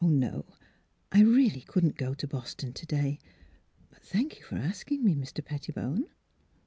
"No; I really couldn't go to Boston to day. Thank you for asking me, Mr. Pettibone."